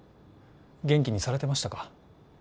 元気にされてましたか？